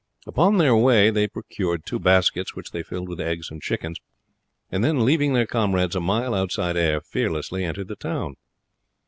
Upon their way they procured two baskets, which they filled with eggs and chickens; and then, leaving their comrades a mile outside Ayr, fearlessly entered the town.